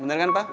bener kan pak